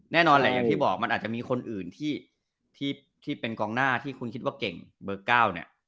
แน่นอนแหละอย่างที่บอกมันอาจจะมีคนอื่นที่เป็นกองหน้าที่คุณคิดว่าเก่งเบอร์๙เนี่ย